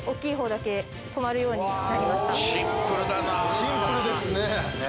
シンプルですね。